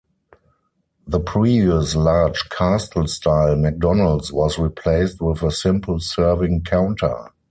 The previous large 'castle'-style McDonald's was replaced with a simple serving counter.